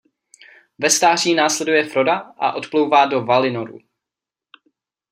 Ve stáří následuje Froda a odplouvá do Valinoru.